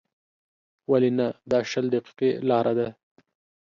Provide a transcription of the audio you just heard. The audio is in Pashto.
ولې نه، دا شل دقیقې لاره ده.